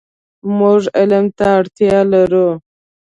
مونږ علم ته اړتیا لرو .